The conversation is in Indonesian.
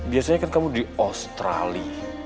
biasanya kan kamu di australia